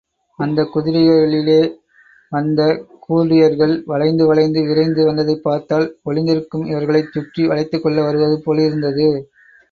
அந்தக் குதிரைகளிலே வந்த கூர்டியர்கள் வளைந்து வளைந்து விரைந்து வந்ததைப் பார்த்தால், ஒளிந்திருக்கும் இவர்களைச் சுற்றி வளைத்துக்கொள்ள வருவதுபோலிருந்தது.